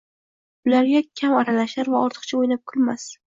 ularga kam aralashar va ortiqcha o’ynab-kulmas